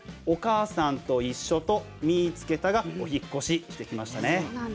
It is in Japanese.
「おかあさんといっしょ」と「みいつけた！」がお引っ越ししてきましたね。